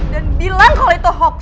dan bilang kalau itu hoax